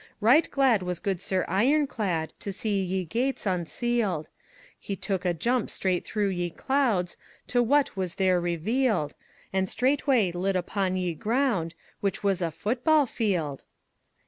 Ryghte gladde was goode Sir Yroncladde To see ye gates unsealed. He toke a jumpe strayghte through ye cloudes To what was there revealed, And strayghtwaye lit uponne ye grounde Whych was a footeball field!